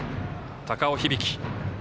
高尾響。